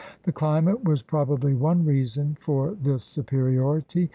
The climate was prob ably one reason for this superiority.